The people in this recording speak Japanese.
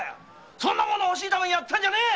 そんなもの欲しさにやったんじゃねえ！